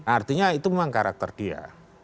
artinya itu memang karakter dia